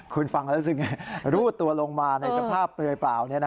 คุณฟังรู้สึกอย่างไรรูดตัวลงมาในสภาพเปลื่อยเปล่า